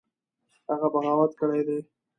هغه بغاوت کړی دی.